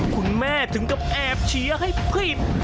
คุณแม่ถึงก็แอบเฉียให้ผิด